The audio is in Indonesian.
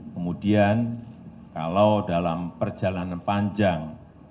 kemudian kalau dalam perjalanan panjang